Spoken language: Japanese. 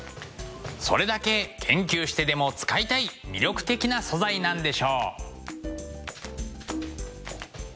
それだけ研究してでも使いたい魅力的な素材なんでしょう！